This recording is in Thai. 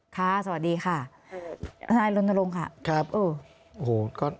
ค่ะสวัสดีค่ะท่านไอนรณรงค์ค่ะโอ้โห